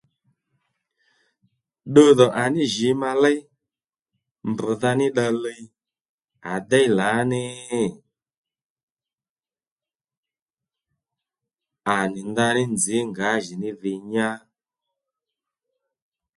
Ddudhò à ní jǐ ma léy mbrdha ní dda liy à déy lǎní? À nì ndaní nzǐ ngǎjìní dhi nyá